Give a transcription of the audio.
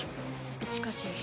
しかし。